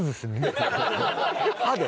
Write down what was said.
歯で？